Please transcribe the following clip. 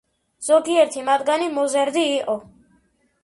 ზოგიერთი მათგანი მოზარდი იყო.